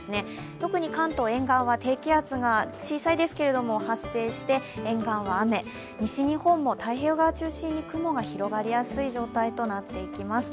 特に関東沿岸は低気圧が、小さいですけれども、発生して、沿岸は雨、西日本も太平洋側を中心に雲が広がりやすい状態となっていきます。